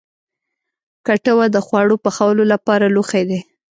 کټوه د خواړو پخولو لپاره لوښی دی